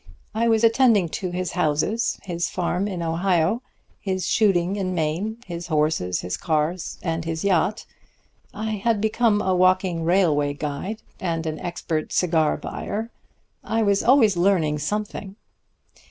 I was attending to his houses, his farm in Ohio, his shooting in Maine, his horses, his cars and his yacht. I had become a walking railway guide and an expert cigar buyer. I was always learning something.